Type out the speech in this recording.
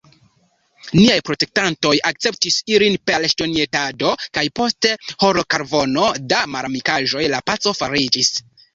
Niaj protektantoj akceptis ilin per ŝtonĵetado, kaj post horkvarono da malamikaĵoj, la paco fariĝis.